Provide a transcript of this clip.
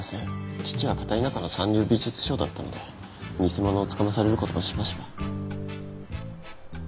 父は片田舎の三流美術商だったので偽物をつかまされることもしばしば。